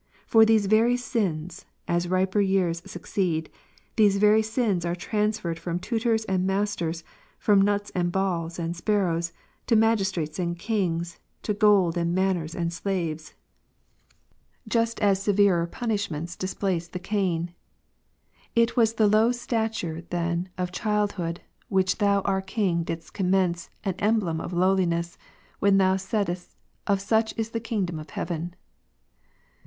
For these very sins, as riper years succeed, these very sins are transferred from tutors and masters, from nuts and balls and sparrows, to magistrates and kings, to gold and manors and slaves, just as severer punish ments displace the cane. It was the low stature then of child liood, which Thou our King didst commend as an emblem of Matt. lowliness, when Thou saidst. Of such is theVingdom of heaven.